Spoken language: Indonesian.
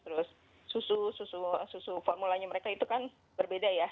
terus susu susu susu formulanya mereka itu kan berbeda ya